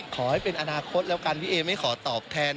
ขอให้เป็นอนาคตแล้วกันพี่เอไม่ขอตอบแทน